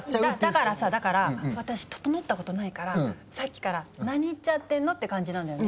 だからさだから私ととのったことないからさっきから「何言っちゃってんの？」って感じなんだよね。